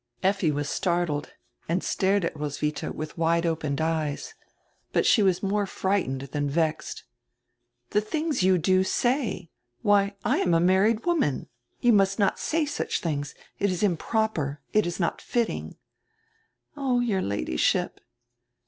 Effi was starded and stared at Roswitha widi wide opened eyes. But she was more frightened dian vexed. "The things you do say! Why, I am a married woman. You must not say such diings; it is improper, it is not fitting." "Oh, your Ladyship."